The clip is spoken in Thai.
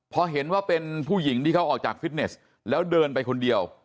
พอเห็นว่าเป็นผู้หญิงที่เขาออกจากฟิตเนสแล้วเดินไปคนเดียว